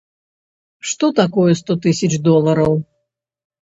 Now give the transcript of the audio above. Што такое сто тысяч долараў?